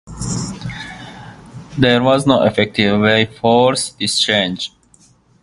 There was no effective way to force this change.